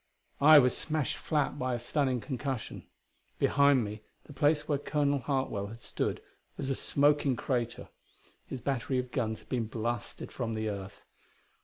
I was smashed flat by a stunning concussion. Behind me the place where Colonel Hartwell had stood was a smoking crater; his battery of guns had been blasted from the earth.